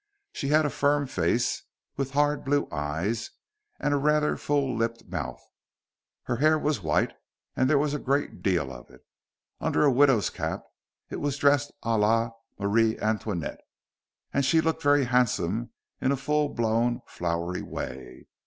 She had a firm face, with hard blue eyes and a rather full lipped mouth. Her hair was white, and there was a great deal of it. Under a widow's cap it was dressed à la Marie Antoinette, and she looked very handsome in a full blown, flowery way.